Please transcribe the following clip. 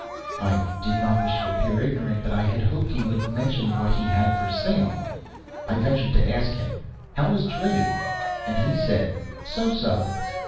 [I did not wish to appear ignorant, but I had hoped he would mention what he had for sale.] I ventured to ask him "How was trade?" And he said "So so."